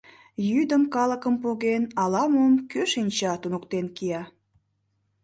Йӱдым, калыкым поген, ала-мом, кӧ шинча, туныктен кия...